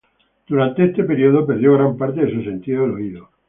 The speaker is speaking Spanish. Durante este periodo perdió gran parte de su sentido del oído.